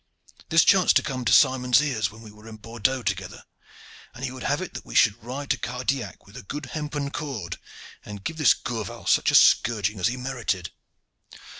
This chanced to come to Simon's ears when we were at Bordeaux together, and he would have it that we should ride to Cardillac with a good hempen cord, and give this Gourval such a scourging as he merited.